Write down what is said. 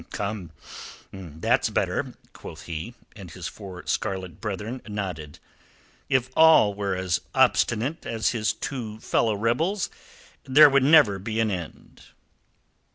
"Come; that's better," quoth he, and his four scarlet brethren nodded. "If all were as obstinate as his two fellow rebels, there would never be an end."